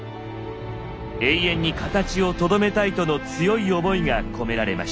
永遠に形をとどめたいとの強い思いが込められました。